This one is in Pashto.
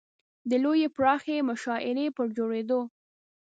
د لویې پراخې مشاعرې پر جوړېدو.